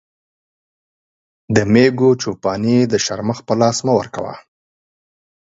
د مېږو چو پاني د شرمښ په لاس مه ورکوه.